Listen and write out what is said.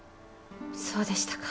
そうでしたか。